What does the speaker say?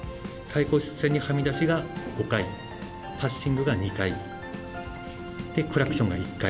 対向車線にはみ出しが５回、パッシングが２回。